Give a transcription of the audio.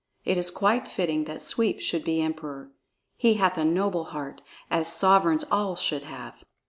It is quite fitting that Sweep should be Emperor; he hath a noble heart, as sovereigns all should have."